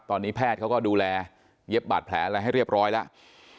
ตอนนี้แพทย์เขาก็ดูแลเย็บบาดแผลอะไรให้เรียบร้อยแล้ว